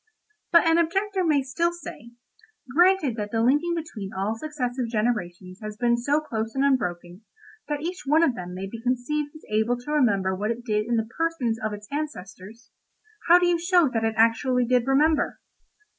"But an objector may still say, 'Granted that the linking between all successive generations has been so close and unbroken, that each one of them may be conceived as able to remember what it did in the persons of its ancestors—how do you show that it actually did remember?